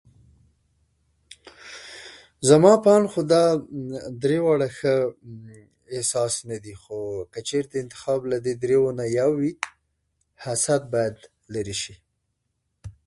زما په اند خو دا درې واړه ښه احساسونه دي، خو که چيرته انتخاب له دې درېو نه يو وي، حسد بايد ليرې شي.